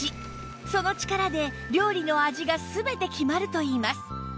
その力で料理の味が全て決まるといいます